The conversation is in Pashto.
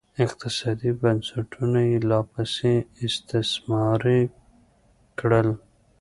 اقتصادي بنسټونه یې لاپسې استثماري کړل